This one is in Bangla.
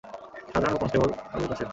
শাহজাহান ও কনস্টেবল আবুল কাশেম।